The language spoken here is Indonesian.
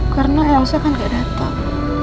karena elsa kan gak datang